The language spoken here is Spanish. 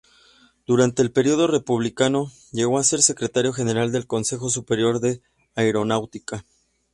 Durante el periodo republicano llegó a ser secretario general del Consejo Superior de Aeronáutica.